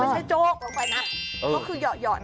ไม่ใช่โจ๊ก